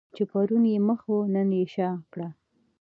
چې پرون یې مخ وو نن یې شا کړه.